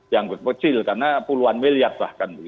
yang kecil karena puluhan miliar bahkan